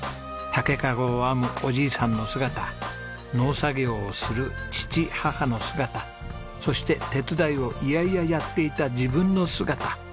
竹籠を編むおじいさんの姿農作業をする父母の姿そして手伝いを嫌々やっていた自分の姿。